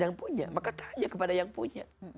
yang punya maka tanya kepada yang punya